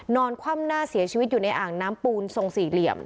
คว่ำหน้าเสียชีวิตอยู่ในอ่างน้ำปูนทรงสี่เหลี่ยม